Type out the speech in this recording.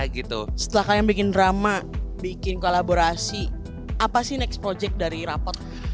setelah kalian bikin drama bikin kolaborasi apa sih next project dari rapot